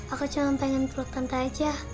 aku cuma pengen perut tante aja